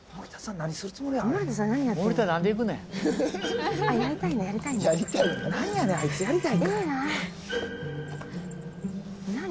何やねんあいつやりたいんか。